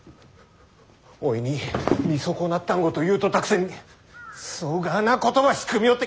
おいに「見損なった」んごと言うとったくせにそがぁなことば仕組みおって。